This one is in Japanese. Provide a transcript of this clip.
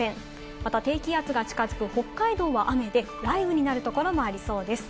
また低気圧が近づく北海道は雨で、雷雨になるところもありそうです。